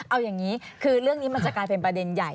เอาอย่างนี้คือเรื่องนี้มันจะกลายเป็นประเด็นใหญ่